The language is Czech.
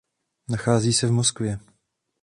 Nachází se v Moskvě.